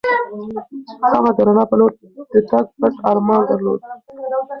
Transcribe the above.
هغه د رڼا په لور د تګ پټ ارمان درلود.